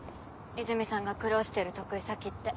泉さんが苦労してる得意先って。